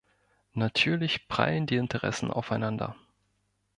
Natürlich prallen die Interessen aufeinander.